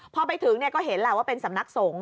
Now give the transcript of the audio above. พอไปถึงก็เห็นแหละว่าเป็นสำนักสงฆ